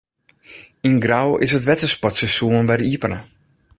Yn Grou is it wettersportseizoen wer iepene.